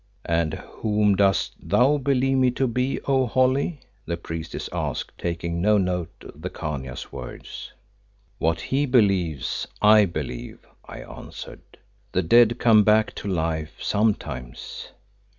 "And whom dost thou believe me to be, O Holly?" the Priestess asked, taking no note of the Khania's words. "What he believes I believe," I answered. "The dead come back to life sometimes.